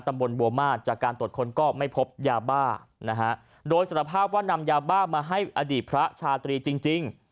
ตำบลบัวมาสจากการตรวจค้นก็ไม่พบยาบ้านะฮะโดยสารภาพว่านำยาบ้ามาให้อดีตพระชาตรีจริงจริง